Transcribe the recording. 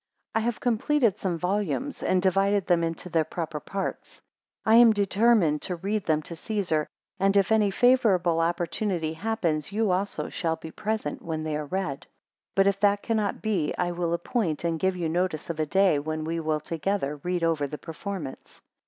I HAVE completed some volumes and divided them into their proper parts. 2 I am determined to read them to Caesar, and if any favourable opportunity happens, you also shall be present, when they are read; 3 But if that cannot be, I will appoint and give you notice of a day, when we will together read over the performance.